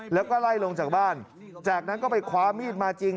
แล้วก็ไล่ลงจากบ้านจากนั้นก็ไปคว้ามีดมาจริง